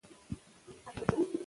د اسلامي دولت وګړي مستامنین يي.